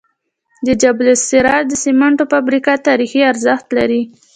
د جبل السراج د سمنټو فابریکه تاریخي ارزښت لري.